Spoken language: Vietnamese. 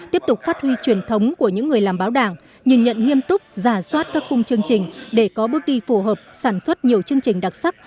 tiếp tục phát huy truyền thống của những người làm báo đảng nhìn nhận nghiêm túc giả soát các khung chương trình để có bước đi phù hợp sản xuất nhiều chương trình đặc sắc